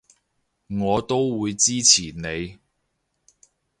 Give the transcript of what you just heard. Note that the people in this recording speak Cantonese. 我都會支持你